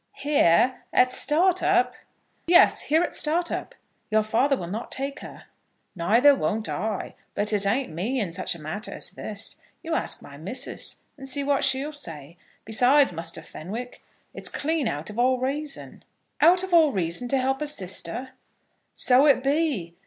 "Here at Startup?" "Yes; here, at Startup. Your father will not take her." "Neither won't I. But it ain't me in such a matter as this. You ask my missus, and see what she'll say. Besides, Muster Fenwick, it's clean out of all reason." "Out of all reason to help a sister?" "So it be.